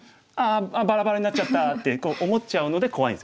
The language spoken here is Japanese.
「ああバラバラになっちゃった」って思っちゃうので怖いんですよ。